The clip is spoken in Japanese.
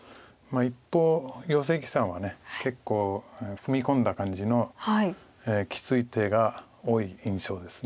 一方余正麒さんは結構踏み込んだ感じのきつい手が多い印象です。